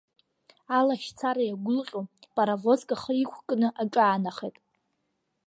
Алашьцара иагәылҟьо, паравозк ахы иқәкны аҿаанахеит.